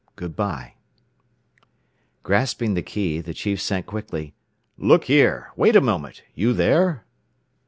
G. B. (Good by)!" Grasping the key, the chief sent quickly, "Look here! Wait a moment! You there?"